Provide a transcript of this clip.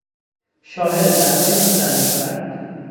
شاهد دعوای آن زن و شوهر بودیم.